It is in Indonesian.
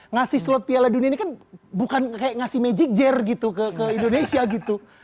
ngasih slot piala dunia ini kan bukan kayak ngasih magic jar gitu ke indonesia gitu